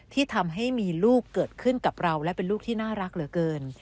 ที่ทำให้มีลูกเกิดขึ้นกับเราและเป็นลูกที่น่ารักเหลือเกิน